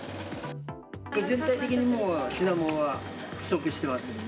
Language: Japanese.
全体的にもう品物は不足しています。